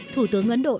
thủ tướng ấn độ